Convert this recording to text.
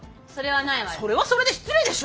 それはそれで失礼でしょ！